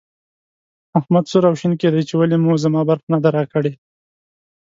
احمد سور او شين کېدی چې ولې مو زما برخه نه ده راکړې.